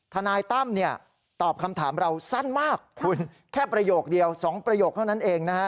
ทนายตั้มเนี่ยตอบคำถามเราสั้นมากคุณแค่ประโยคเดียว๒ประโยคเท่านั้นเองนะฮะ